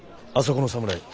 あそこの侍。